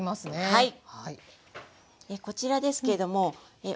はい。